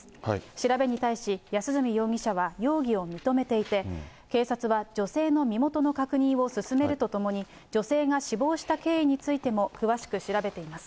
調べに対し、安栖容疑者は容疑を認めていて、警察は女性の身元の確認を進めるとともに、女性が死亡した経緯についても詳しく調べています。